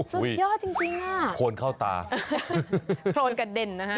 สุดยอดจริงอ่ะโครนเข้าตาโครนกระเด็นนะฮะ